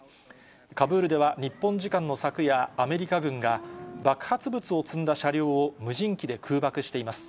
カブールでは日本時間の昨夜、アメリカ軍が爆発物を積んだ車両を無人機で空爆しています。